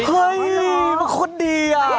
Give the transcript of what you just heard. เฮ้ยมันคนดีอะ